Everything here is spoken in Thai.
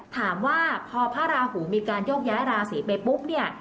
ถามว่าพอพระราหูมีการโยกย้ายราศีไปปุ๊บเนี่ย